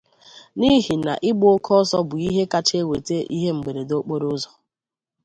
n'ihi na ịgba oke ọsọ bụ ihe kacha eweta ihe mberede okporoụzọ.